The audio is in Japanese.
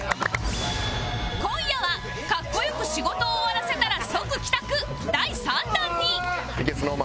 今夜は格好良く仕事を終わらせたら即帰宅第３弾に